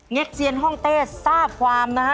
็กเซียนห้องเต้ทราบความนะฮะ